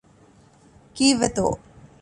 ކީއްވެތޯ؟